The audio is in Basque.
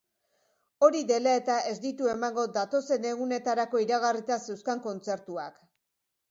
Hori dela eta, ez ditu emango datozen egunetarako iragarrita zeuzkan kontzertuak.